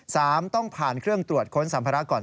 ต้องผ่านเครื่องตรวจค้นสัมภาระก่อน